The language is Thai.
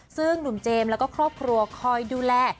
ซึ่งหนุ่มเจมส์แล้วก็ครอบครัวคอยดูแล